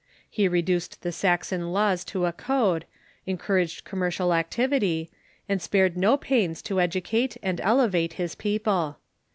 He reduced the Saxon laAvs to a code, encouraged commercial ac tivity, and spared no pains to educate and elevate his people.